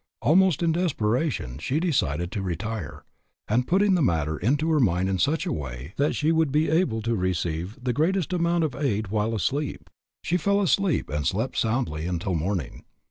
Almost in desperation she decided to retire, and putting the matter into her mind in such a way that she would be able to receive the greatest amount of aid while asleep, she fell asleep and slept soundly until morning.